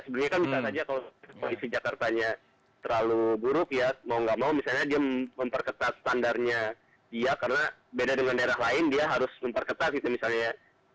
sebenarnya kan bisa saja kalau kondisi jakartanya terlalu buruk ya mau nggak mau misalnya dia memperketat standarnya dia karena beda dengan daerah lain dia harus memperketat gitu misalnya ya